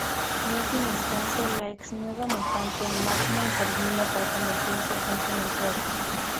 En última instancia, la ex Nueva Mutante, Magma intervino para convertirse en su mentora.